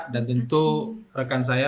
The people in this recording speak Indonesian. dan tentu rekan saya